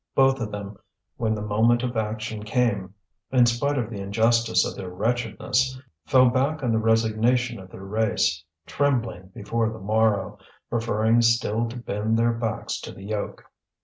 Both of them, when the moment of action came, in spite of the injustice of their wretchedness fell back on the resignation of their race, trembling before the morrow, preferring still to bend their backs to the yoke.